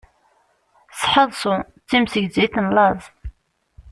Sḥeḍṣu, d timsegrit n laẓ.